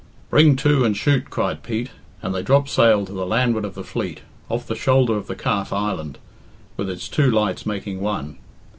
"Bring to and shoot," cried Pete, and they dropped sail to the landward of the fleet, off the shoulder of the Calf Island, with its two lights making one.